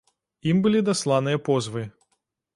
Ім былі дасланыя позвы.